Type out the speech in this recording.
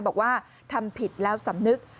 บอกว่าทำผิดแล้วสำนึก